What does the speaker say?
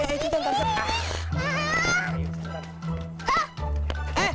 iya iya iya kita mau beli buah